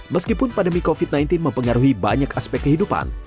meskipun pandemi covid sembilan belas mempengaruhi banyak aspek kehidupan